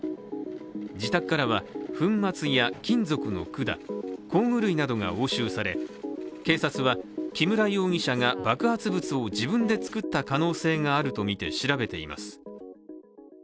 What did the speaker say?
自宅からは、粉末や金属の管工具類などが押収され警察は木村容疑者が爆発物を自分で作った可能性があるとみて調べています。